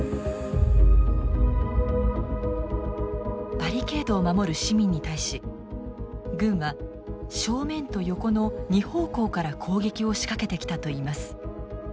バリケードを守る市民に対し軍は正面と横の２方向から攻撃を仕掛けてきたといいます。